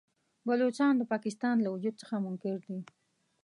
بلوڅان د پاکستان له وجود څخه منکر دي.